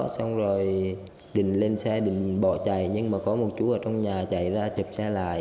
xong rồi đình lên xe định bỏ chạy nhưng mà có một chú ở trong nhà chạy ra chụp xe lại